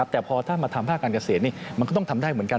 แต่พอท่านมาทำภาคการเกษตรมันก็ต้องทำได้เหมือนกัน